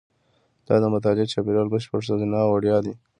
دا د مطالعې چاپېریال بشپړ ښځینه او وړیا دی.